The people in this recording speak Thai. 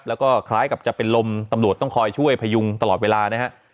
แล้วก็คล้ายกับจะเป็นลมตำรวจต้องคอยช่วยพยุงตลอดเวลานะฮะ